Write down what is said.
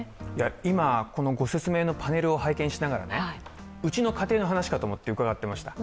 今、ご説明のパネルを拝見しながらうちの家庭の話かと思って伺っていました。